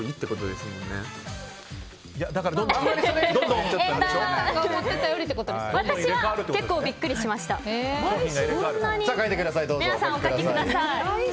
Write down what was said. では皆さん、お書きください。